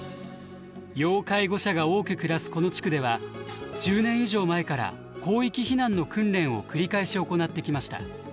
要介護者が多く暮らすこの地区では１０年以上前から広域避難の訓練を繰り返し行ってきました。